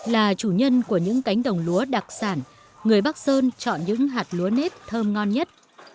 là chủ nhân của những cánh đồng lúa đặc sản người bắc sơn chọn những hạt lúa nếp thơm ngon nhất